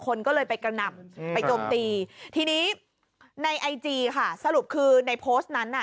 คนก็เลยไปกระหน่ำไปโจมตีทีนี้ในไอจีค่ะสรุปคือในโพสต์นั้นน่ะ